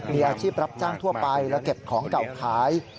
มีอาชีพรับจ้างทั่วไปและเก็บของเก่าขาย